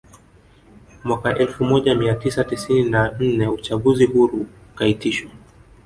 Mwaka elfu moja mia tisa tisini na nne uchaguzi huru ukaitishwa